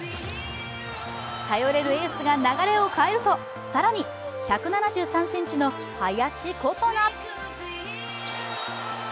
頼れるエースが流れを変えると更に、１７３ｃｍの林琴奈。